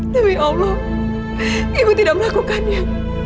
demi allah ibu tidak melakukannya